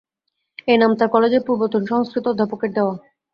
এ-নাম তার কলেজের পূর্বতন সংস্কৃত অধ্যাপকের দেওয়া।